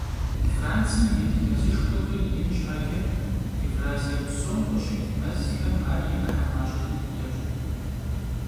Францием ит мэзышхуэхэр ин щхьэкӀэ, Евразие псом къыщыкӀ мэзхэм ар и Ӏыхьэ мащӀэ дыдэщ.